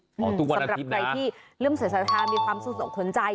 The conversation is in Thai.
อ๋อทุกวันอาทิตย์นะสำหรับใครที่เริ่มสายศรัทธามีความสุขสนใจ